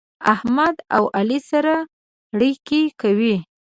احمد او علي سره رګی کوي.